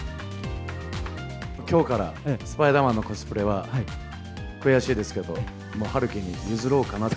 きょうからスパイダーマンのコスプレは、悔しいですけど、陽喜に譲ろうかなと。